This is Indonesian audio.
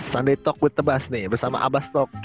sunday talk with tebas nih bersama abas talk